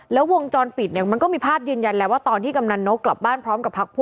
แล้ววงจรตินี่ก็มีภาพยืนยันแหละว่า